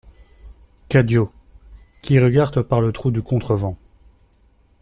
CADIO, qui regarde par le trou du contrevent.